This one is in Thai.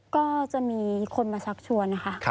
ก็จะมีคนมาชักชวนนะคะ